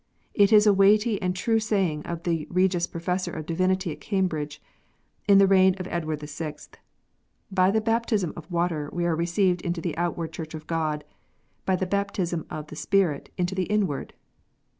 It is a weighty and true saying of the Regius Professor of Divinity at Cambridge, in the reign of Edward VI., "By the baptism of water AVC are received into the outward Church of God : by the baptism of the Spirit into the inward."